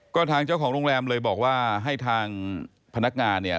ก็ทางเจ้าของโรงแรมเลยบอกว่าให้ทางพนักงานเนี่ย